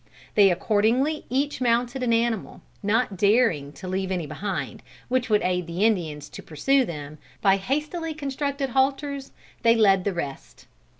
They accordingly each mounted an animal, and not daring to leave any behind, which would aid the Indians to pursue them, by hastily constructed halters they led the rest.